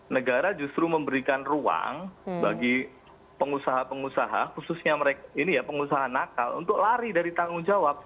negara justru memberikan ruang bagi pengusaha pengusaha khususnya pengusaha nakal untuk lari dari tanggung jawab